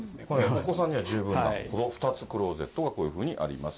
お子さんには十分な２つ、クローゼットがこういうふうにあります。